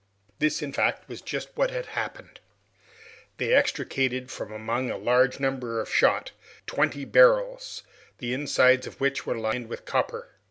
This, in fact, was just what had happened. They extricated from among a large number of shot twenty barrels, the insides of which were lined with copper.